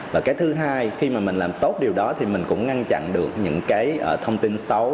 và thứ hai khi mình làm tốt điều đó thì mình cũng ngăn chặn được những thông tin xấu